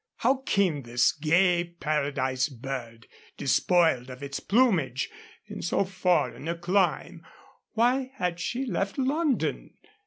How came this gay paradise bird, despoiled of its plumage, in so foreign a clime? Why had she left London?